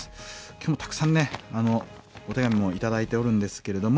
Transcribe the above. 今日もたくさんねお手紙も頂いておるんですけれども。